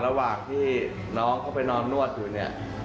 ระหว่างที่น้องเขาไปนอนนวดอยู่เนี่ย